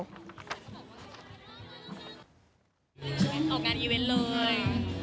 งานออกงานอีเวนต์เลย